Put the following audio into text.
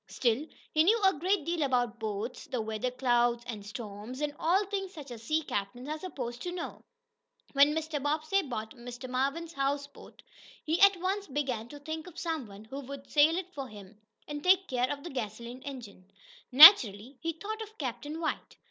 Still, he knew a great deal about boats, the weather clouds and storms, and all things such as sea captains are supposed to know. When Mr. Bobbsey bought Mr. Marvin's houseboat, he at once began to think of some one who could sail it for him, and take care of the gasoline engine. Naturally, he thought of Captain White.